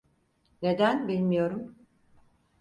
Neden bilmiyorum.